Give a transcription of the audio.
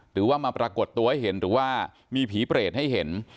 หรือว่ามาปรากฏตัวให้เห็นหรือว่ามีผีเปรตให้เห็น